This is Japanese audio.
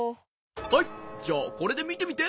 はいじゃあこれでみてみて。